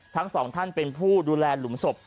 ทั้งสองท่านเป็นผู้ดูแลหลุมศพ